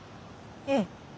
ええ。